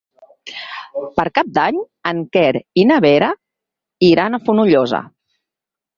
Per Cap d'Any en Quer i na Vera iran a Fonollosa.